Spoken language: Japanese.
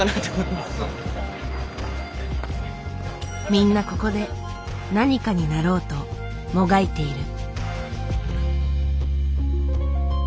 みんなここで何かになろうともがいている。